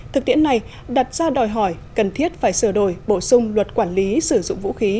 thực tiễn này đặt ra đòi hỏi cần thiết phải sửa đổi bổ sung luật quản lý sử dụng vũ khí